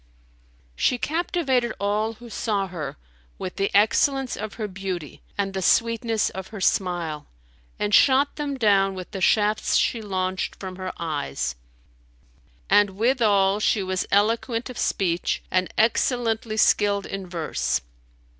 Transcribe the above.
"[FN#292] She captivated all who saw her, with the excellence of her beauty and the sweetness of her smile,[FN#293] and shot them down with the shafts she launched from her eyes; and withal she was eloquent of speech and excellently skilled in verse.